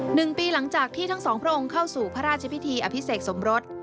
หนึ่งปีหลังจากที่ทั้งสองพระองค์เข้าสู่พระราชพิธีอภิเษกสมรส